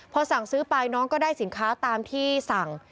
พอสั่งซื้อไปน้องก็ได้สินค้าตามที่สั่ง